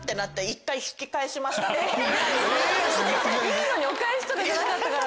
いいのにお返しとかじゃなかったから。